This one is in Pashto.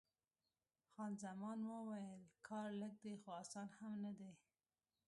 خان زمان وویل: کار لږ دی، خو اسان هم نه دی.